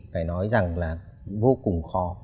phải nói rằng là vô cùng khó